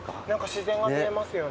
自然が見えますよね。